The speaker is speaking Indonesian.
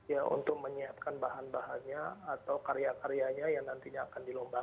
ya untuk menyiapkan bahan bahannya atau karya karyanya yang nantinya akan dilombakan